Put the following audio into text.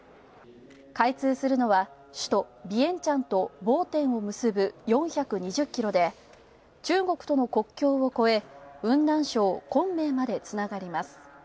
開通するのは、首都ビエンチャンとボーテンを結ぶ４２０ｋｍで中国との国境を越え、雲南省昆明までつながります。